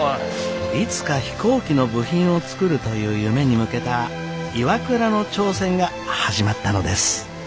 いつか飛行機の部品を作るという夢に向けたＩＷＡＫＵＲＡの挑戦が始まったのです。